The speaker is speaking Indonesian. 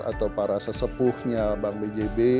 atau para sesepuhnya bank bjb